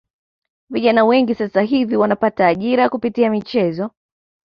Vijana wengi sasa hivi wanapata ajira kupitia michezo